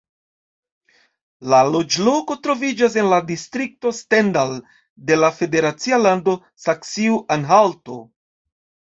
La loĝloko troviĝas en la distrikto Stendal de la federacia lando Saksio-Anhalto.